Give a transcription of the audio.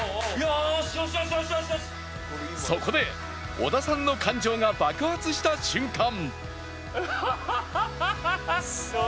そこで、織田さんの感情が爆発した瞬間。